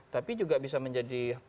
tapi juga bisa menjadi